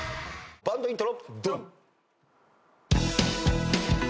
バンドイントロ。